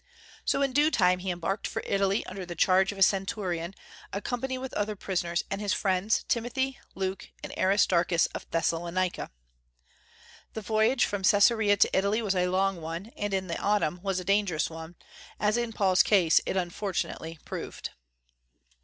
So in due time he embarked for Italy under the charge of a centurion, accompanied with other prisoners and his friends Timothy, Luke, and Aristarchus of Thessalonica. The voyage from Caesarea to Italy was a long one, and in the autumn was a dangerous one, as in Paul's case it unfortunately proved.